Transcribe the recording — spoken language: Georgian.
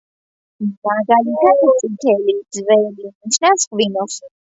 მაგალითად, „წითელი“, „ძველი“, ნიშნავს ღვინოს.